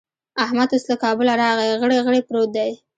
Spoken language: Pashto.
احمد اوس له کابله راغی؛ غړي غړي پروت دی.